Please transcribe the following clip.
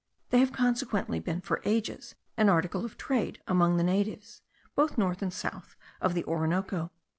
They have consequently been for ages an article of trade among the natives, both north and south of the Orinoco.